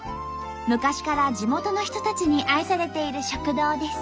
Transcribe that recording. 昔から地元の人たちに愛されている食堂です。